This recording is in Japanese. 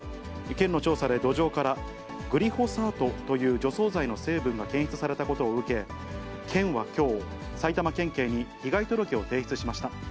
一方、埼玉県所沢市のビッグモーター所沢店前の街路樹が枯れ、県の調査で土壌からグリホサートという除草剤の成分が検出されたことを受け、県はきょう、埼玉県警に被害届を提出しました。